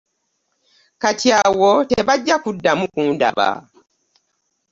Kati awo tebajja kuddamu kundaba.